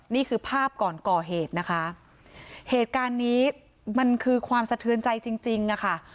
นี่คือภาพก่อนก่อเหตุนะคะเหตุการณ์นี้มันคือความสะเทือนใจจริงจริงอะค่ะ